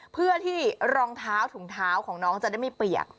เพื่อที่รองเท้าถุงเท้าของน้องจะได้ไม่เปียก